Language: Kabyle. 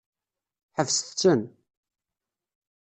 Ḥebset-ten.